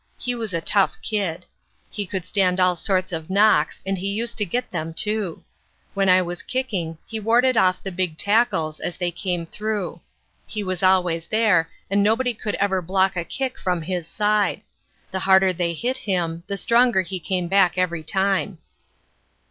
He was a tough kid. He could stand all sorts of knocks and he used to get them too. When I was kicking he warded off the big tackles as they came through. He was always there and nobody could ever block a kick from his side. The harder they hit him, the stronger he came back every time."